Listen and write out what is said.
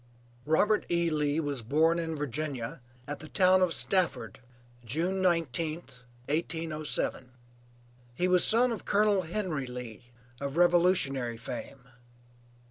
Robert E. Lee was born in Virginia, at the town of Stafford, June 19th, 1807. He was son of Colonel Henry Lee, of revolutionary fame.